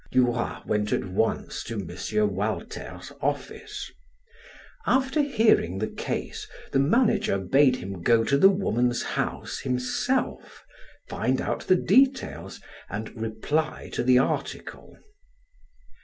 Duroy went at once to M. Walter's office. After hearing the case, the manager bade him go to the woman's house himself, find out the details, and reply, to the article.